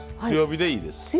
強火でいいです。